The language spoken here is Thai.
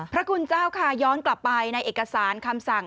พระคุณเจ้าค่ะย้อนกลับไปในเอกสารคำสั่ง